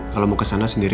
kalau mau ke sana sendiri